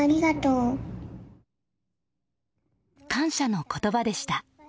感謝の言葉でした。